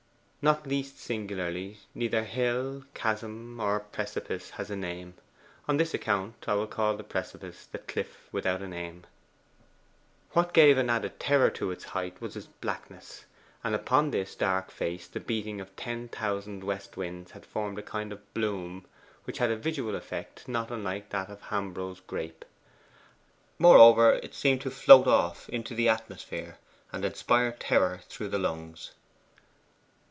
Not least singularly, neither hill, chasm, nor precipice has a name. On this account I will call the precipice the Cliff without a Name.* * See Preface What gave an added terror to its height was its blackness. And upon this dark face the beating of ten thousand west winds had formed a kind of bloom, which had a visual effect not unlike that of a Hambro' grape. Moreover it seemed to float off into the atmosphere, and inspire terror through the lungs.